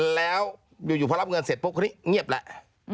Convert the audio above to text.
แล้วอยู่พอรับเงินเสร็จปุ๊บเงียบแล้ว